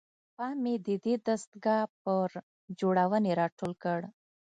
پام مې ددې دستګاه پر جوړونې راټول کړ.